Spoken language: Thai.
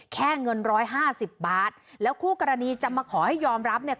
แค่เงิน๑๕๐บาทแล้วคู่กรณีจะมาขอให้ยอมรับเนี่ย